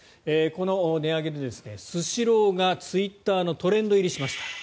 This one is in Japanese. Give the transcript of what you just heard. この値上げでスシローがツイッターのトレンド入りしました。